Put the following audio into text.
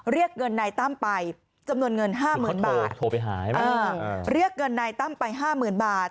เรียกเงินนายตั้มไปจำนวนเงิน๕๐๐๐๐บาทเรียกเงินนายตั้มไป๕๐๐๐๐บาท